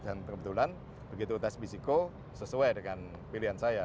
dan kebetulan begitu tes bisiko sesuai dengan pilihan saya